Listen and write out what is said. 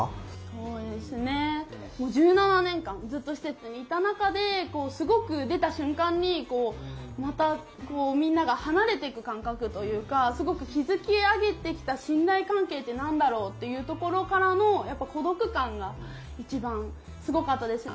そうですね１７年間ずっと施設にいた中で出た瞬間にまたみんなが離れていく感覚というか築き上げてきた信頼関係って何だろうっていうところからの孤独感が一番すごかったです。